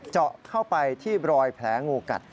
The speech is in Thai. เจาะเข้าไปที่รอยแผลงูกัด